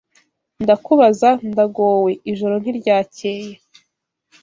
Ndakubaza ndagowe, ijoro ntiryacyeye,